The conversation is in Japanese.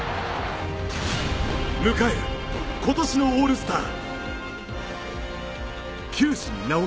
迎える、今年のオールスター。